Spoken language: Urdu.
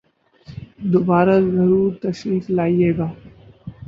دوبارہ ضرور تشریف لائیئے گا